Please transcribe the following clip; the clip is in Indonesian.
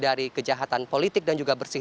dari kejahatan politik dan juga bersih